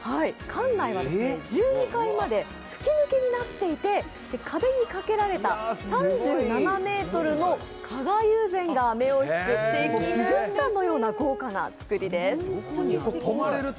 館内は１２階まで吹き抜けになっていて壁にかけられた３７ｍの加賀友禅が目を引く美術館のような豪華な造りです。